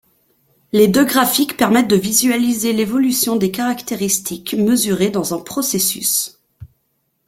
Les deux graphiques permettent de visualiser l'évolution des caractéristiques mesurées dans un processus.